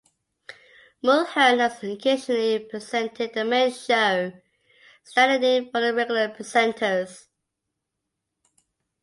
Mulhern has occasionally presented the main show, standing in for the regular presenters.